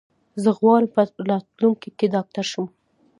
زه غواړم په راتلونکي کې ډاکټر شم.